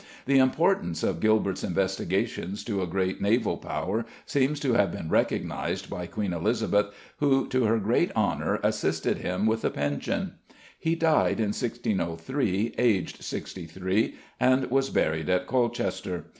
The importance of Gilbert's investigations to a great naval Power seems to have been recognised by Queen Elizabeth, who, to her great honour, assisted him with a pension. He died in 1603, aged sixty three, and was buried at Colchester.